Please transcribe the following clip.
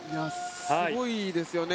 すごいですよね。